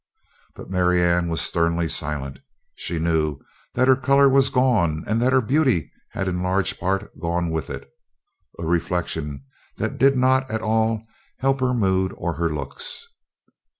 But Marianne was sternly silent. She knew that her color was gone and that her beauty had in large part gone with it; a reflection that did not at all help her mood or her looks.